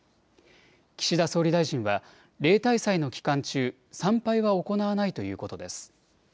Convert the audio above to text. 岸田総理大臣は例大祭の期間中、参拝は行わないということです。